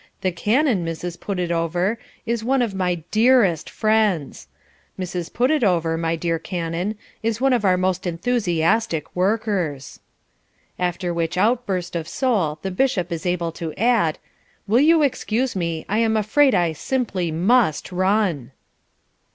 The Canon, Mrs. Putitover, is one of my DEAREST friends. Mrs. Putitover, my dear Canon, is quite one of our most enthusiastic workers." After which outburst of soul the Bishop is able to add, "Will you excuse me, I'm afraid I simply MUST run."